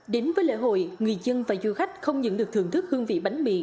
đến với lễ hội người dân và du khách không những được thưởng thức hương vị bánh mì